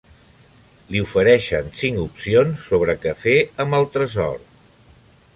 Li ofereixen cinc opcions sobre què fer amb el tresor.